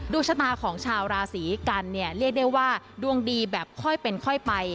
ชะตาของชาวราศีกันเนี่ยเรียกได้ว่าดวงดีแบบค่อยเป็นค่อยไป